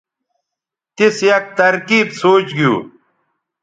تِیس یک ترکیب سوچ گِیُو